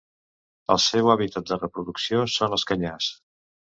El seu hàbitat de reproducció són els canyars.